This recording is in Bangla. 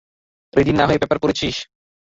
রেডি না হয়ে পেপার পড়ছিস?